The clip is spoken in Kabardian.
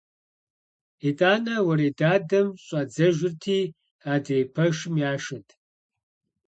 ИтӀанэ уэредадэм щӀадзэжырти, адрей пэшым яшэрт.